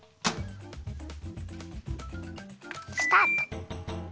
スタート！